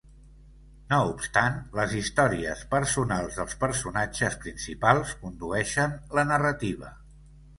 No obstant, les històries personals dels personatges principals condueixen la narrativa.